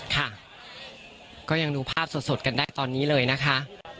ค่ะก็ยังดูภาพสดกันได้ตอนนี้เลยนะคะ